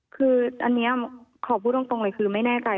คืออันนี้ขอพูดตรงเลยคือไม่แน่ใจ